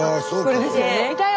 これですよね。